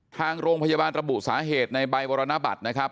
ทางโรงพยาบาลระบุสาเหตุในใบมรณบัตรนะครับ